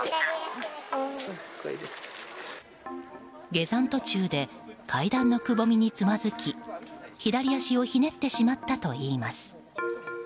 下山途中で階段のくぼみにつまずき左足をひねってしまったといいます。